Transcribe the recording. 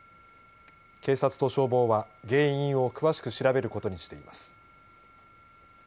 警察と消防は原因を詳しく調べることにしています。